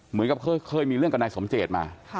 เหมือนกับเคยมีเรื่องกับนายสมเจตมา